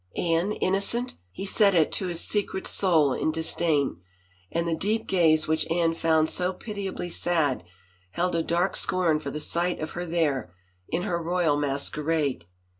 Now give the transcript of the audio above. Anne innocent ! He said it to his secret soul in disdain, and the deep gaze which Anne found so pitiably sad held a dark scorn for the sight of her there in her royal masquerade.